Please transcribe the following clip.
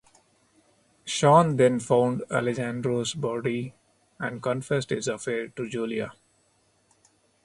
Sean then found Alejandro's body, and confessed his affair to Julia.